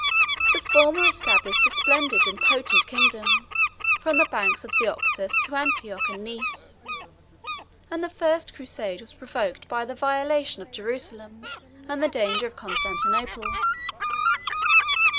The former established a splendid and potent kingdom from the banks of the Oxus to Antioch and Nice; and the first crusade was provoked by the violation of Jerusalem and the danger of Constantinople.